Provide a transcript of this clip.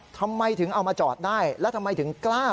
ทำไมถึงเอามาจอดได้แล้วทำไมถึงกล้า